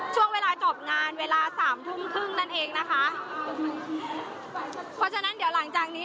ช่วงเวลาจบงานเวลาสามทุ่มครึ่งนั่นเองนะคะเพราะฉะนั้นเดี๋ยวหลังจากนี้